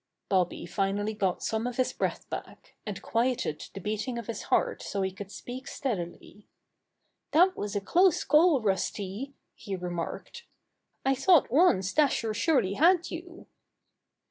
Bobby finally got some of his breath back, and quieted the beating of his heart so he could speak steadily. "That was a close call, Rusty," he remarked. "I thought once Dasher surely had you."